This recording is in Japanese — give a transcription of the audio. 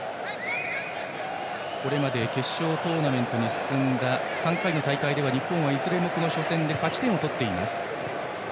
これまで決勝トーナメントに進んだ３回の大会では日本はいずれも初戦で勝ち点を取っています。